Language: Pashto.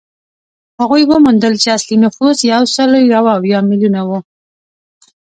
هغوی وموندل چې اصلي نفوس یو سل یو اویا میلیونه و